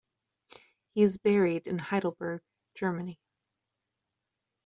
He is buried in Heidelberg, Germany.